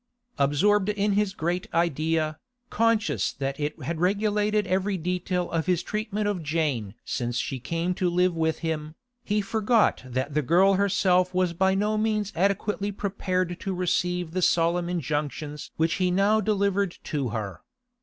Absorbed in his great idea, conscious that it had regulated every detail in his treatment of Jane since she came to live with him, he forgot that the girl herself was by no means adequately prepared to receive the solemn injunctions which he now delivered to her.